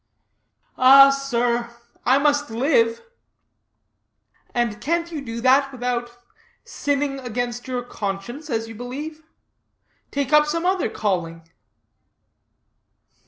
"Ah, sir, I must live." "And can't you do that without sinning against your conscience, as you believe? Take up some other calling."